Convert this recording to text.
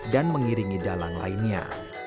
dan mengiringi dalang lainnya